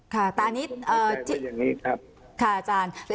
ค่ะตอนนี้ครับ